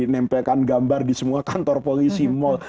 nempelkan gambar di semua kantor polisi mal